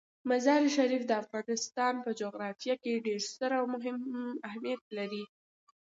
مزارشریف د افغانستان په جغرافیه کې ډیر ستر او مهم اهمیت لري.